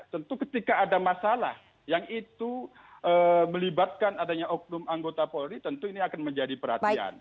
tentu ketika ada masalah yang itu melibatkan adanya oknum anggota polri tentu ini akan menjadi perhatian